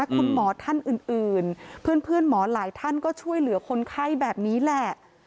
คุณหมอท่านอื่นเพื่อนหมอหลายท่านก็ช่วยเหลือคนไข้แบบนี้แหละ